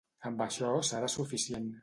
Amb això serà suficient.